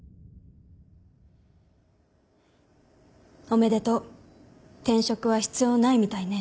おめでとう転職は必要ないみたいね。